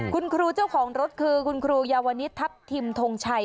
คุณครูเจ้าของรถคือคุณครูยาวนิดทัพทิมทงชัย